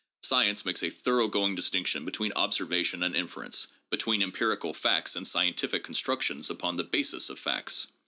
Science makes a thoroughgoing distinction between observation and infer ence, between empirical facts and scientific constructions upon the basis of facts.